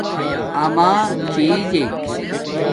اماتھجک